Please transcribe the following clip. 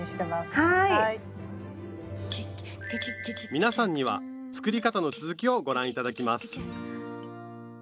皆さんには作り方の続きをご覧頂きます